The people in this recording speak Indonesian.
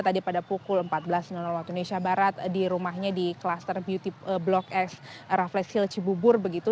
tadi pada pukul empat belas waktu indonesia barat di rumahnya di klaster beauty blok s raffles hill cibubur begitu